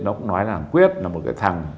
nó cũng nói là thằng quyết là một cái thằng